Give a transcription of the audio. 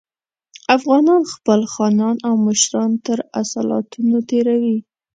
افغانان خپل خانان او مشران تر اصالتونو تېروي.